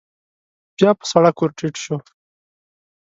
بيا په سړک ور ټيټ شو.